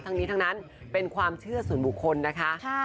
ทั้งนี้ทั้งนั้นเป็นความเชื่อส่วนบุคคลนะคะ